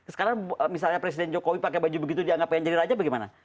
sekarang misalnya presiden jokowi pakai baju begitu dia nggak pengen jadi raja bagaimana